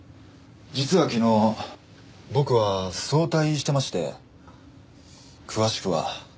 実は昨日僕は早退してまして詳しくは。